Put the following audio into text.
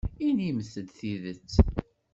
Inimt-d tidet.